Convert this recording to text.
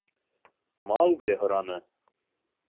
— Маугли һораны.